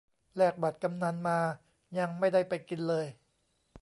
แลกบัตรกำนัลมา ยังไม่ได้ไปกินเลย